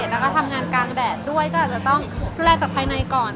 และทำงานกลางแดดด้วยก็ระดูลจากภายในก่อน